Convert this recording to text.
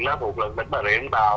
lớp một lần tỉnh bà rịa vũng tàu